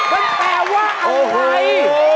มันแปลว่าอะไร